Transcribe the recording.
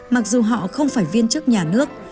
mặc dù họ không phải viên chức nhà nước